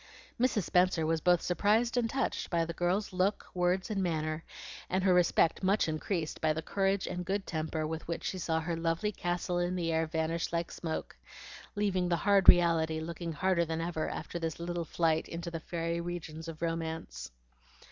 Mrs. Spenser was both surprised and touched by the girl's look, words, and manner, and her respect much increased by the courage and good temper with which she saw her lovely castle in the air vanish like smoke, leaving the hard reality looking harder than ever, after this little flight into the fairy regions of romance.